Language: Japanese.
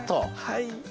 はい。